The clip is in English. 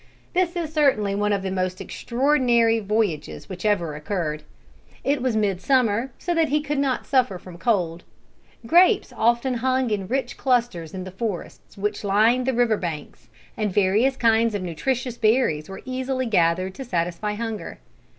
This is certainly one of the most extraordinary voyages which ever occurred. It was mid summer, so that he could not suffer from cold. Grapes often hung in rich clusters in the forests, which lined the river banks, and various kinds of nutritious berries were easily gathered to satisfy hunger.